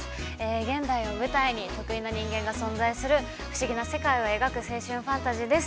現代を舞台に特異な人間が存在する不思議な世界を描く、青春ファンタジーです。